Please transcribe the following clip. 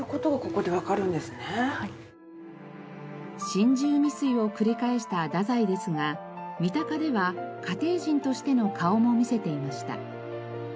心中未遂を繰り返した太宰ですが三鷹では家庭人としての顔も見せていました。